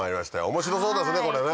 面白そうですねこれね。